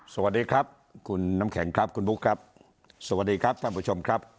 สวัสดีครับคุณน้ำแข็งครับคุณบุ๊คครับสวัสดีครับท่านผู้ชมครับ